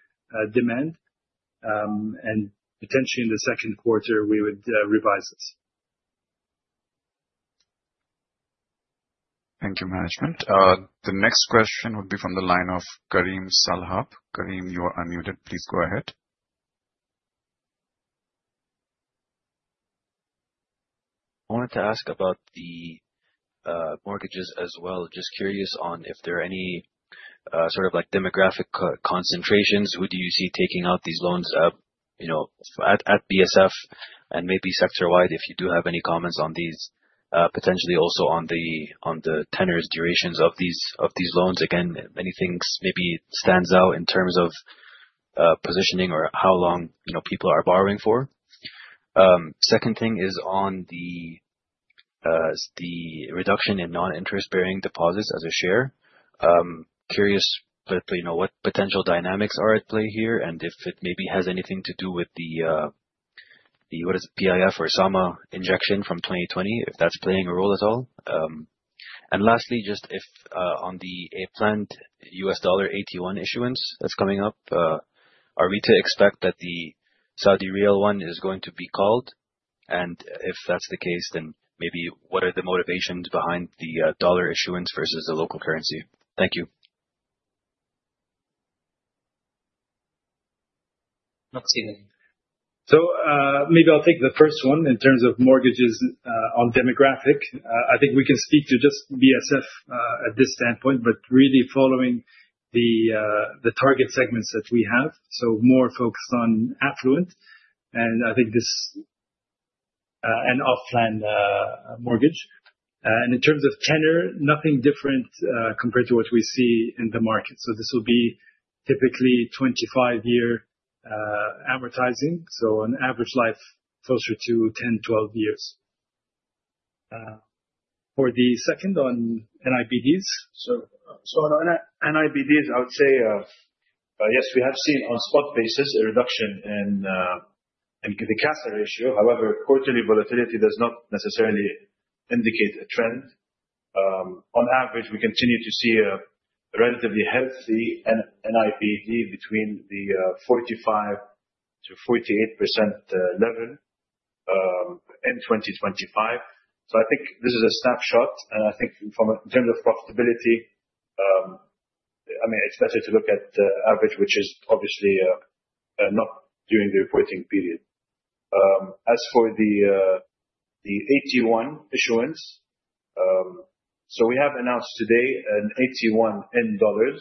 demand, and potentially in the second quarter, we would revise this. Thank you, management. The next question would be from the line of Karim Salhab. Karim, you are unmuted. Please go ahead. I wanted to ask about the mortgages as well. Just curious on if there are any sort of demographic concentrations. Who do you see taking out these loans at BSF and maybe sector-wide, if you do have any comments on these, potentially also on the tenors durations of these loans? Again, many things maybe stands out in terms of positioning or how long people are borrowing for. Second thing is on the reduction in non-interest-bearing deposits as a share. Curious what potential dynamics are at play here, and if it maybe has anything to do with the, what is it, PIF or SAMA injection from 2020, if that's playing a role at all. Lastly, just if on the planned US dollar AT1 issuance that's coming up, are we to expect that the Saudi riyal one is going to be called? If that's the case, then maybe what are the motivations behind the dollar issuance versus the local currency? Thank you. Not seeing. I'll take the first one in terms of mortgages on demographic. I think we can speak to just BSF at this standpoint, but really following the target segments that we have, more focused on affluent. I think this Off plan mortgage. In terms of tenure, nothing different compared to what we see in the market. This will be typically 25-year advertising, on average life closer to 10-12 years. For the second on NIBDs. On NIBDs, I would say, yes, we have seen on spot basis a reduction in the CASA ratio. However, quarterly volatility does not necessarily indicate a trend. On average, we continue to see a relatively healthy NIBD between the 45%-48% level in 2025. I think this is a snapshot, and I think from a general profitability, it's better to look at the average, which is obviously not during the reporting period. As for the AT1 issuance. We have announced today an $81 million.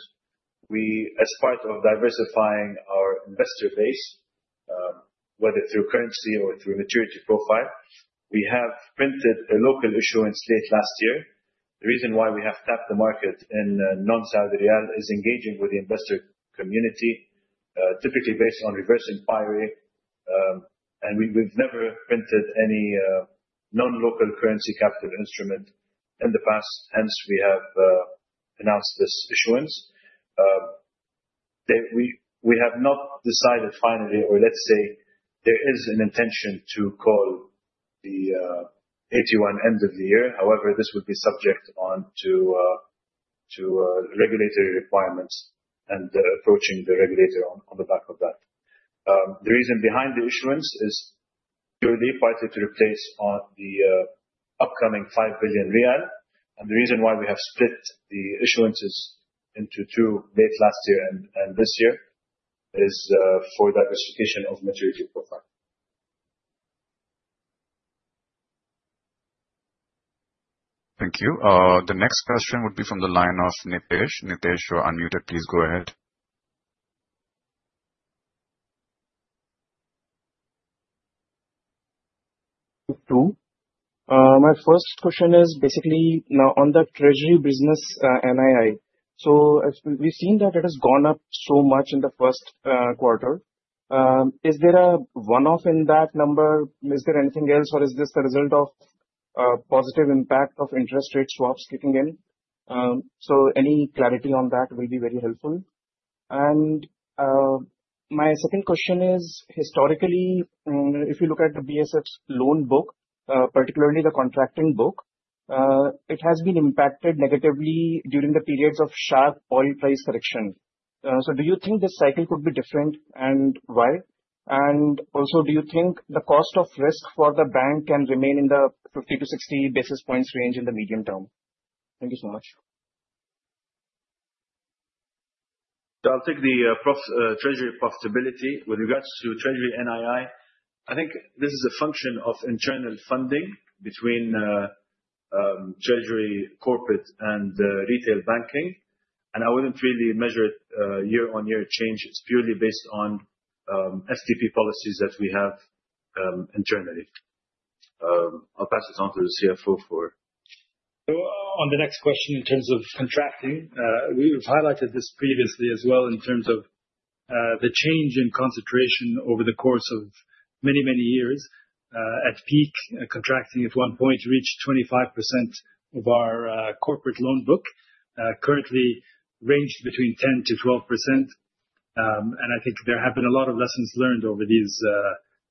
We, as part of diversifying our investor base, whether through currency or through maturity profile, we have printed a local issuance late last year. The reason why we have tapped the market in non-Saudi riyal is engaging with the investor community, typically based on reverse inquiry. We've never printed any non-local currency captive instrument in the past, hence we have announced this issuance. We have not decided finally, or let's say there is an intention to call the AT1 end of the year. However, this would be subject to regulatory requirements and approaching the regulator on the back of that. The reason behind the issuance is purely partly to replace the upcoming 5 billion riyal, and the reason why we have split the issuances into two late last year and this year is for diversification of maturity profile. Thank you. The next question would be from the line of Nitesh. Nitesh, you are unmuted. Please go ahead. Two. My first question is basically now on the treasury business NII. We've seen that it has gone up so much in the first quarter. Is there a one-off in that number? Is there anything else, or is this a result of positive impact of interest rate swaps kicking in? Any clarity on that will be very helpful. My second question is, historically, if you look at the BSF's loan book, particularly the contracting book, it has been impacted negatively during the periods of sharp oil price correction. Do you think this cycle could be different, and why? Also, do you think the cost of risk for the bank can remain in the 50 to 60 basis points range in the medium term? Thank you so much. I'll take the treasury profitability. With regards to treasury NII, I think this is a function of internal funding between treasury corporate and retail banking, and I wouldn't really measure it year-on-year change. It's purely based on FTP policies that we have internally. I'll pass it on to the CFO for On the next question, in terms of contracting, we've highlighted this previously as well in terms of the change in concentration over the course of many, many years. At peak, contracting at one point reached 25% of our corporate loan book. Currently ranged between 10% to 12%. I think there have been a lot of lessons learned over these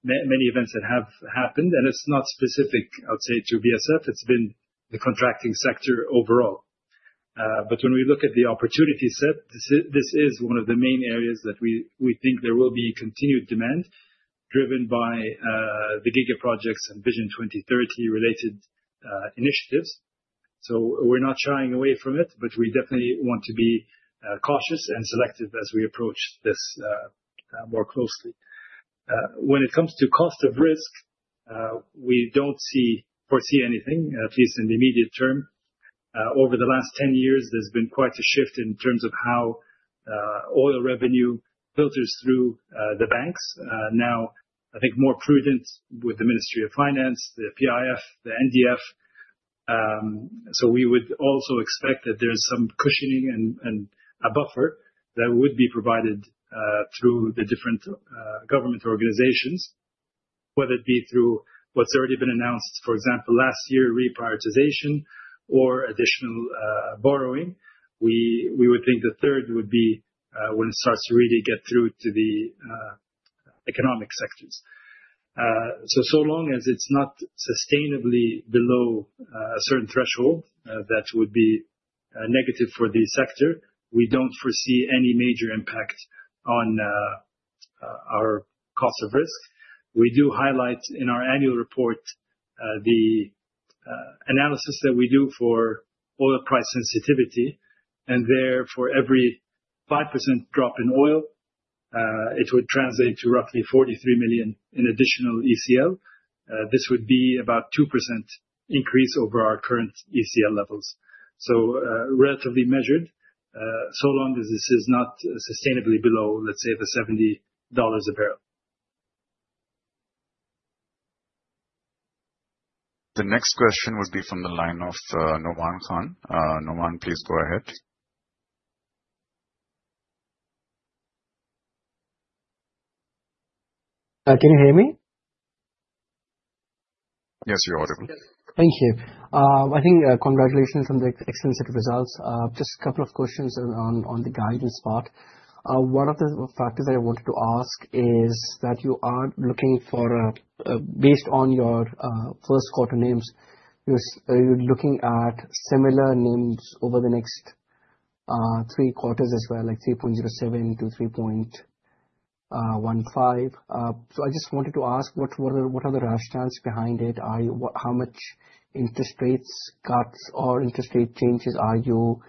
many events that have happened, and it's not specific, I would say, to BSF, it's been the contracting sector overall. When we look at the opportunity set, this is one of the main areas that we think there will be continued demand driven by the gigaprojects and Vision 2030 related initiatives. We're not shying away from it, but we definitely want to be cautious and selective as we approach this more closely. When it comes to cost of risk, we don't foresee anything, at least in the immediate term. Over the last 10 years, there's been quite a shift in terms of how oil revenue filters through the banks. Now, I think more prudence with the Ministry of Finance, the PIF, the NDF. We would also expect that there's some cushioning and a buffer that would be provided through the different government organizations, whether it be through what's already been announced, for example, last year reprioritization or additional borrowing. We would think the third would be when it starts to really get through to the economic sectors. So long as it's not sustainably below a certain threshold that would be negative for the sector, we don't foresee any major impact on our cost of risk. We do highlight in our annual report the analysis that we do for oil price sensitivity, and there, for every 5% drop in oil, it would translate to roughly 43 million in additional ECL. This would be about 2% increase over our current ECL levels. Relatively measured, so long as this is not sustainably below, let's say, the SAR 70 a barrel. The next question would be from the line of Nauman Khan. Noman, please go ahead. Can you hear me? Yes, you're audible. Thank you. I think congratulations on the excellent set of results. Just a couple of questions on the guidance part. One of the factors that I wanted to ask is that, based on your first quarter NIMs, you're looking at similar NIMs over the next three quarters as well, like 3.07%-3.15%. I just wanted to ask, what are the rationales behind it? How much interest rates cuts or interest rate changes are you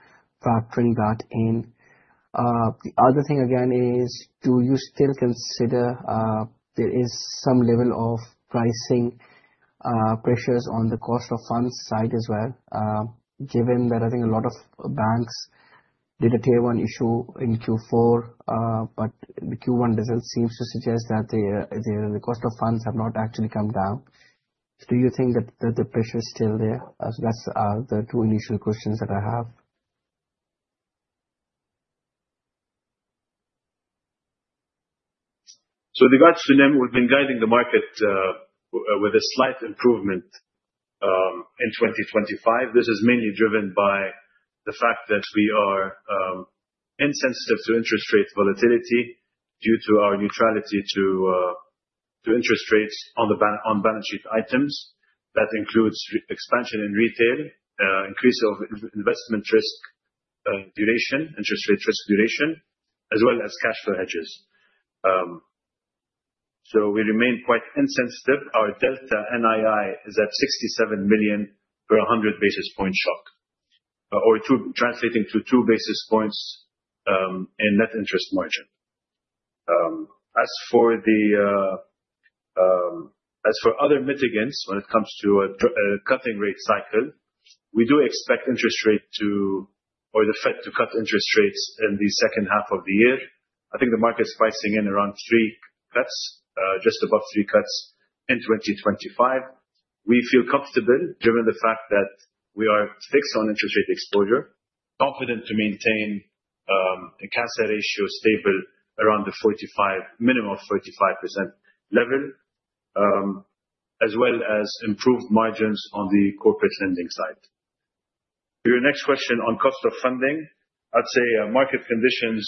factoring that in? The other thing again is, do you still consider there is some level of pricing pressures on the cost of funds side as well, given that, I think a lot of banks did a Tier 1 issue in Q4, but the Q1 result seems to suggest that the cost of funds have not actually come down. Do you think that the pressure is still there? That's the two initial questions that I have. Regards to NIM, we've been guiding the market with a slight improvement in 2025. This is mainly driven by the fact that we are insensitive to interest rate volatility due to our neutrality to interest rates on balance sheet items. That includes expansion in retail, increase of investment risk duration, interest rate risk duration, as well as cash flow hedges. We remain quite insensitive. Our delta NII is at 67 million per 100 basis point shock, or translating to two basis points in net interest margin. As for other mitigants, when it comes to a cutting rate cycle, we do expect interest rate to or the Fed to cut interest rates in the second half of the year. I think the market is pricing in around three cuts, just above three cuts in 2025. We feel comfortable, given the fact that we are fixed on interest rate exposure, confident to maintain a CASA ratio stable around the minimum of 45% level, as well as improved margins on the corporate lending side. To your next question on cost of funding, I'd say market conditions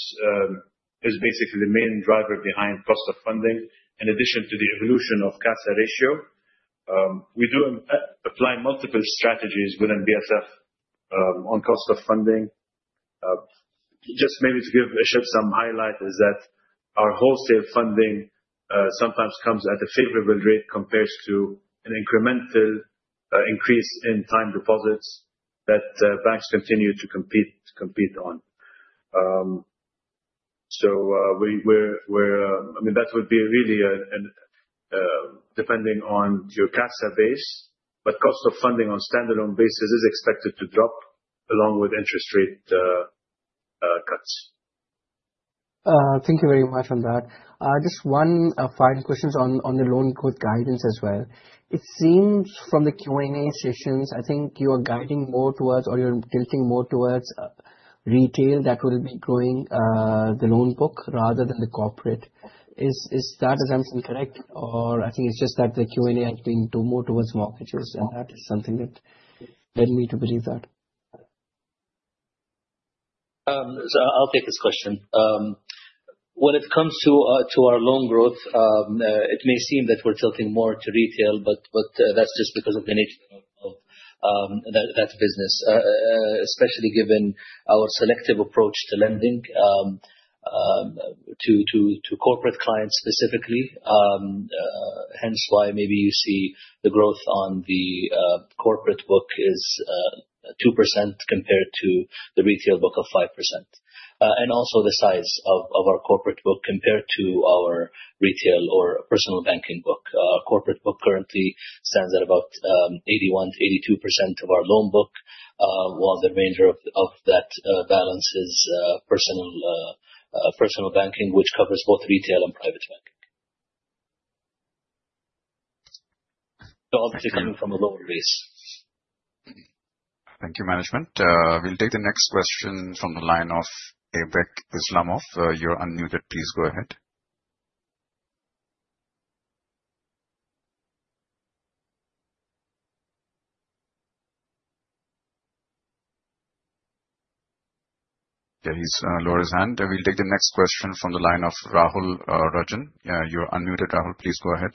is basically the main driver behind cost of funding, in addition to the evolution of CASA ratio. We do apply multiple strategies within BSF on cost of funding. Just maybe to give, Aysha, some highlight is that our wholesale funding sometimes comes at a favorable rate compared to an incremental increase in time deposits that banks continue to compete on. That would be really depending on your CASA base, but cost of funding on standalone basis is expected to drop along with interest rate cuts. Thank you very much on that. Just one final question on the loan growth guidance as well. It seems from the Q&A sessions, I think you are guiding more towards or you're tilting more towards retail that will be growing the loan book rather than the corporate. Is that assumption correct? Or I think it's just that the Q&A has been more towards mortgages, and that is something that led me to believe that. I'll take this question. When it comes to our loan growth, it may seem that we're tilting more to retail, but that's just because of the nature of that business, especially given our selective approach to lending to corporate clients specifically. Hence why maybe you see the growth on the corporate book is 2% compared to the retail book of 5%. Also the size of our corporate book compared to our retail or personal banking book. Our corporate book currently stands at about 81%-82% of our loan book, while the remainder of that balance is personal banking, which covers both retail and private banking. Obviously coming from a lower base. Thank you, management. We'll take the next question from the line of Aybek Islamov. You're unmuted. Please go ahead. He's lowered his hand. We'll take the next question from the line of Rahul Rajan. You're unmuted, Rahul. Please go ahead.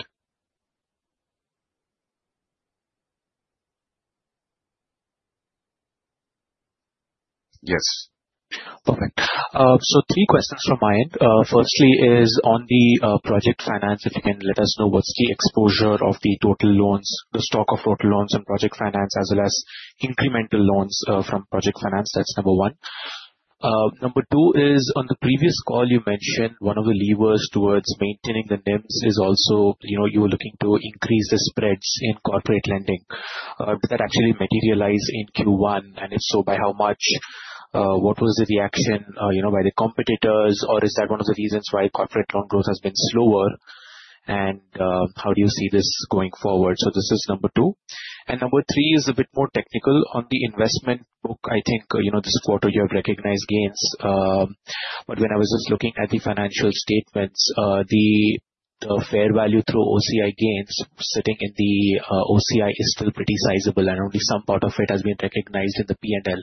Yes. Perfect. Three questions from my end. Firstly, on the project finance, if you can let us know what is the exposure of the total loans, the stock of total loans and project finance as well as incremental loans from project finance. That is number 1. Number 2 is on the previous call you mentioned one of the levers towards maintaining the NIMs is also you were looking to increase the spreads in corporate lending. Did that actually materialize in Q1? If so, by how much? What was the reaction by the competitors? Is that one of the reasons why corporate loan growth has been slower? How do you see this going forward? This is number 2. Number 3 is a bit more technical. On the investment book, I think, this quarter you have recognized gains. When I was just looking at the financial statements, the fair value through OCI gains sitting in the OCI is still pretty sizable, and only some part of it has been recognized in the P&L.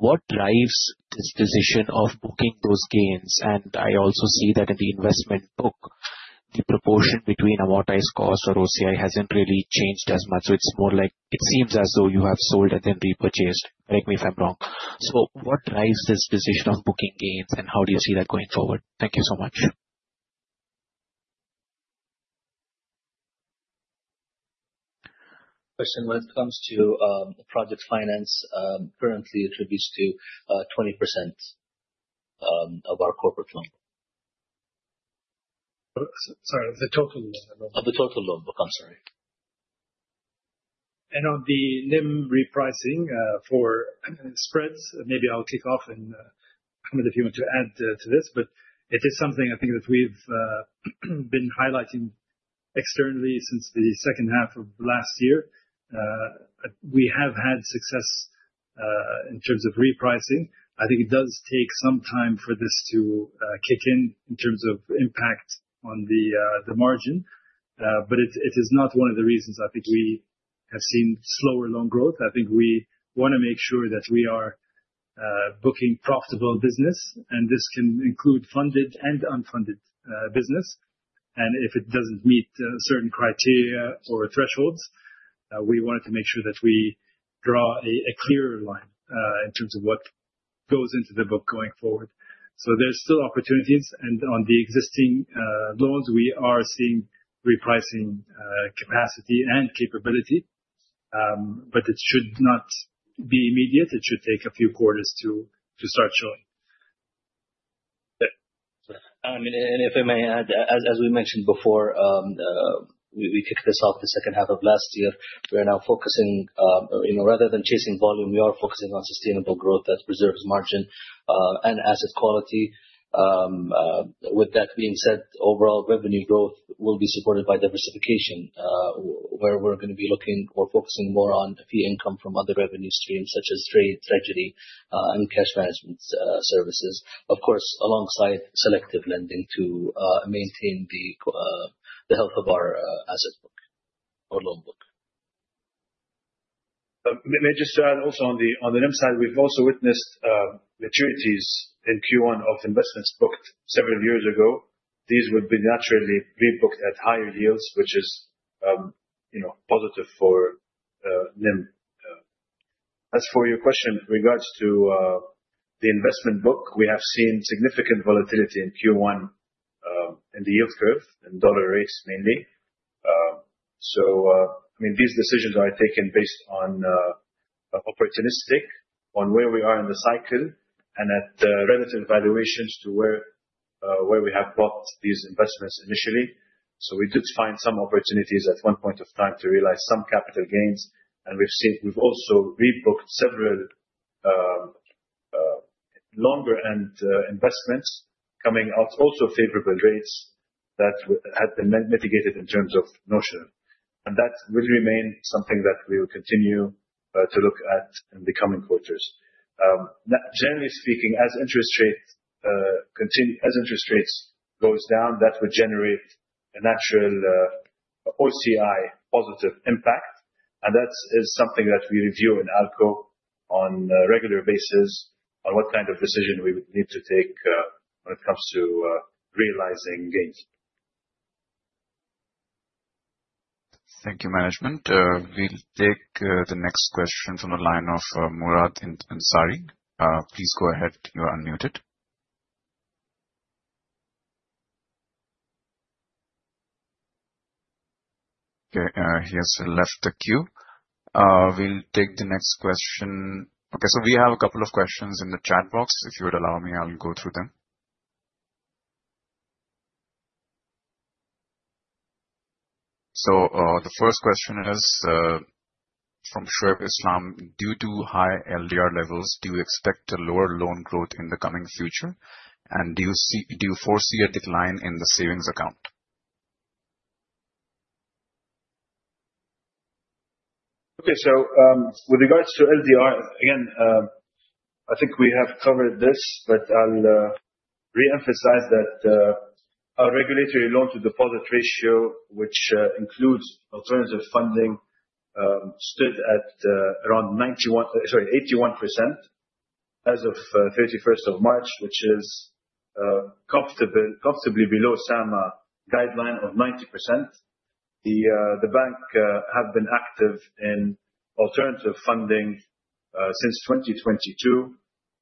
What drives this decision of booking those gains? I also see that in the investment book, the proportion between amortized cost or OCI hasn't really changed as much. It is more like, it seems as though you have sold and then repurchased. Correct me if I am wrong. What drives this decision of booking gains, and how do you see that going forward? Thank you so much. Christian, when it comes to project finance, currently attributes to 20% of our corporate loan book. Sorry, the total loan book. Of the total loan book. I'm sorry. On the NIM repricing for spreads, maybe I'll kick off and, Ahmed, if you want to add to this, it is something I think that we've been highlighting externally since the second half of last year. We have had success, in terms of repricing. I think it does take some time for this to kick in terms of impact on the margin. It is not one of the reasons I think we have seen slower loan growth. I think we want to make sure that we are booking profitable business, and this can include funded and unfunded business. If it doesn't meet certain criteria or thresholds, we wanted to make sure that we draw a clearer line, in terms of what goes into the book going forward. There's still opportunities, and on the existing loans, we are seeing repricing capacity and capability. It should not be immediate. It should take a few quarters to start showing. If I may add, as we mentioned before, we kicked this off the second half of last year. We are now focusing, rather than chasing volume, we are focusing on sustainable growth that preserves margin and asset quality. With that being said, overall revenue growth will be supported by diversification, where we're going to be looking or focusing more on the fee income from other revenue streams such as trade treasury and cash management services. Of course, alongside selective lending to maintain the health of our asset book or loan book. May I just add also on the NIM side, we've also witnessed maturities in Q1 of investments booked several years ago. These would be naturally rebooked at higher yields, which is positive for NIM. As for your question regards to the investment book, we have seen significant volatility in Q1, in the yield curve, in dollar rates mainly. These decisions are taken based on opportunistic, on where we are in the cycle, and at the relative valuations to where we have bought these investments initially. We did find some opportunities at one point of time to realize some capital gains. We've also rebooked several longer investment coming off also favorable rates that had been mitigated in terms of duration. That will remain something that we will continue to look at in the coming quarters. Generally speaking, as interest rates goes down, that would generate a natural OCI positive impact. That is something that we review in ALCO on a regular basis, on what kind of decision we would need to take, when it comes to realizing gains. Thank you, management. We'll take the next question from the line of Murad Ansari. Please go ahead. You are unmuted. He has left the queue. We'll take the next question. We have a couple of questions in the chat box. If you would allow me, I'll go through them. The first question is, from Sherif Islam, "Due to high LDR levels, do you expect a lower loan growth in the coming future? And do you foresee a decline in the savings account? With regards to LDR, again, I think we have covered this, but I'll reemphasize that our regulatory loan to deposit ratio, which includes alternative funding, stood at around 91, sorry, 81% as of 31st of March, which is comfortably below SAMA guideline of 90%. The bank have been active in alternative funding since 2022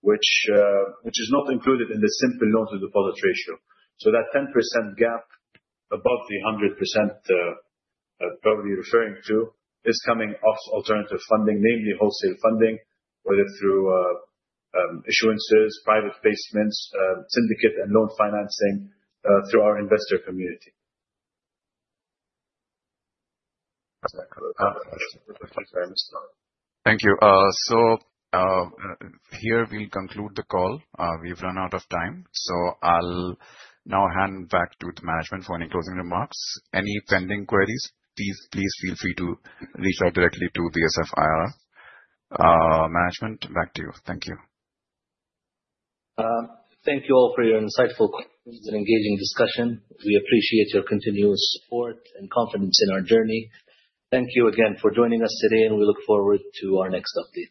which is not included in the simple loan to deposit ratio. That 10% gap above the 100% that you're referring to is coming off alternative funding, namely wholesale funding, whether through issuances, private placements, syndicate and loan financing, through our investor community. Thank you very much. Thank you. Here we'll conclude the call. We've run out of time. I'll now hand back to the management for any closing remarks. Any pending queries, please feel free to reach out directly to the BSF IR. Management, back to you. Thank you. Thank you all for your insightful questions and engaging discussion. We appreciate your continuous support and confidence in our journey. Thank you again for joining us today, and we look forward to our next update.